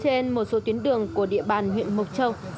trên một số tuyến đường của địa bàn huyện mộc châu